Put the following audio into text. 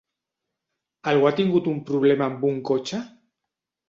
Algú ha tingut un problema amb un cotxe?